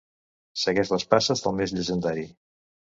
Segueix les passes del més llegendari.